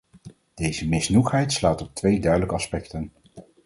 Deze misnoegdheid slaat op twee duidelijke aspecten.